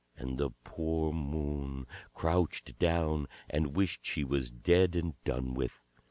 And the poor Moon crouched down, and wished she was dead and done with.